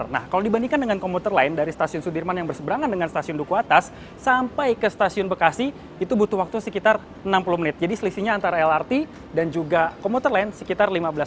nah kalau dibandingkan dengan komuter lain dari stasiun sudirman yang berseberangan dengan stasiun dukuh atas sampai ke stasiun bekasi itu butuh waktu sekitar enam puluh menit